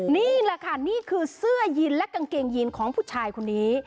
นี่แหละค่ะนี่คือเสื้อยีนและกางเกงยีนของผู้ชายคนนี้